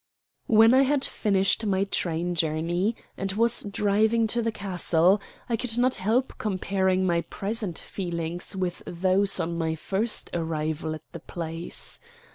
When I had finished my train journey, and was driving to the castle, I could not help comparing my present feelings with those on my first arrival at the place.